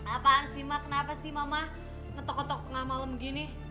apaan sih mak kenapa sih mama ngetok ngetok tengah malam gini